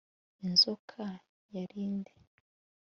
inzoka yari nde